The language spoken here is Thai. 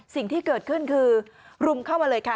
สิ่งที่เกิดขึ้นคือรุมเข้ามาเลยค่ะ